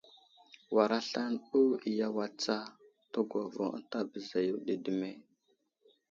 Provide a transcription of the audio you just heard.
War aslane ɗo iyaway tsa, təgwavo ənta bəza yo ɗi dəme !